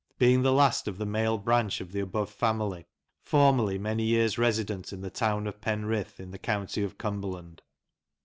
being the last of the male branch of the above family ; formerly many years resident in the town of Penrith, in the county of Cumberland."